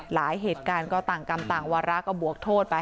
หลายเหตุการณ์ก็ต่างกรรมต่างวาระก็บวกโทษไป